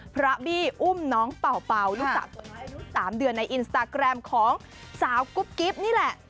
บี้อุ้มน้องเป่าลูกสาว๓เดือนในอินสตาแกรมของสาวกุ๊บกิ๊บนี่แหละ